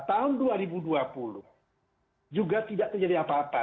tahun dua ribu dua puluh juga tidak terjadi apa apa